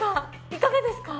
いかがですか？